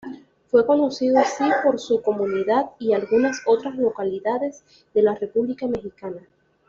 Fue conocido así por su comunidad y algunas otras localidades de la República Mexicana.